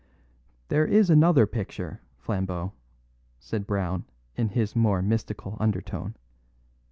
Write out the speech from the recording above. "There is another picture, Flambeau," said Brown in his more mystical undertone.